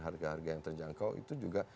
harga harga yang terjangkau itu juga